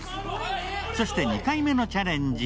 そして２回目のチャレンジ。